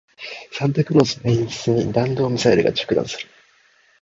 サンタクロースの煙突に弾道ミサイルが着弾する